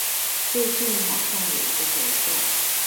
最近好像有一個活動